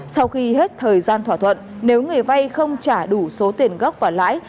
sau khi hết thời gian thỏa thuận nếu người vay không trả đủ số tiền gốc và lãi